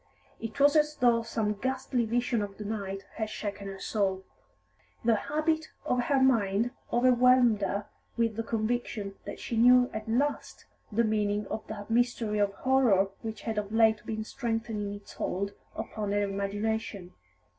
It was as though some ghastly vision of the night had shaken her soul. The habit of her mind overwhelmed her with the conviction that she knew at last the meaning of that mystery of horror which had of late been strengthening its hold upon her imagination.